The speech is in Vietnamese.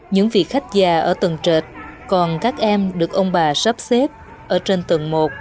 những vị khách già ở tầng trệt còn các em được ông bà sắp xếp ở trên tầng một